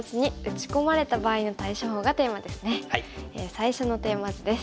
最初のテーマ図です。